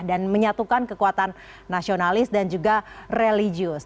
dan menyatukan kekuatan nasionalis dan juga religius